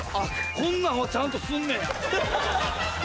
こんなんはちゃんとすんねや。